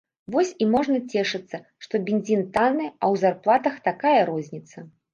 Вось і можна цешыцца, што бензін танны, а ў зарплатах такая розніца.